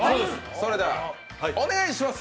それではお願いします。